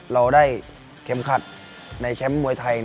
เราได้เข็มขัดในแชมป์มวยไทย